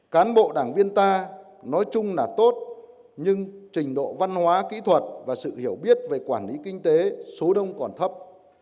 cán bộ đảng viên ta nói chung là tốt nhưng trình độ văn hóa kỹ thuật và sự hiểu biết về quản lý kinh tế số đông còn thấp